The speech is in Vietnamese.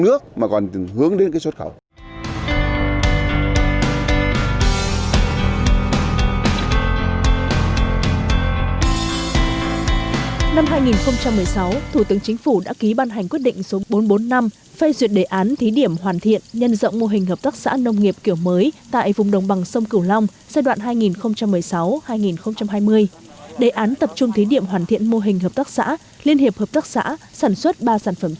năm hai nghìn một mươi sáu hợp tác xã nông nghiệp dân tiến chuyển đổi sang hoạt động theo mô hình hợp tác xã kiểu mới và đã thu được nhiều kết quả tích cực